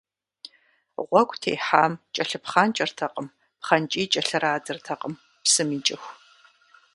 Гъуэгу техьам кӏэлъыпхъанкӏэртэкъым, пхъэнкӏии кӏэлърадзыртэкъым, псым икӏыху.